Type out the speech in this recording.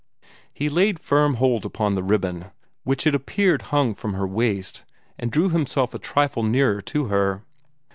He laid firm hold upon the ribbon, which it appeared hung from her waist, and drew himself a trifle nearer to her.